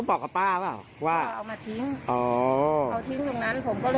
ผมก็เลยมานอนที่ตรงเบาค่ะ